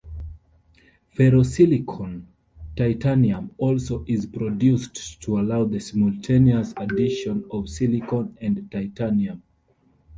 Ferrosilicon-titanium also is produced to allow the simultaneous addition of silicon and titanium.